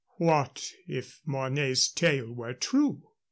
"What if Mornay's tale were true?"